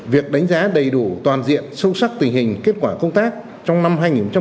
việc đánh giá đầy đủ toàn diện sâu sắc tình hình kết quả công tác trong năm hai nghìn hai mươi